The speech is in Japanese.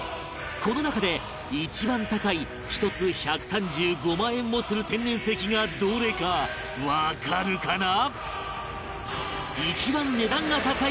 この中で一番高い１つ１３５万円もする天然石がどれかわかるかな？